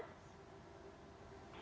tentu bahwa ya